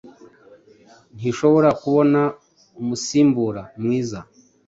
ntishobora kubona umusimbura mwiza